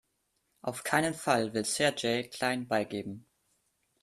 Auf keinen Fall will Sergej klein beigeben.